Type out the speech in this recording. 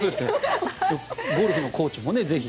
ゴルフのコーチもぜひ。